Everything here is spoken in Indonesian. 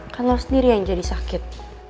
kan lo sendiri yang jadi sakit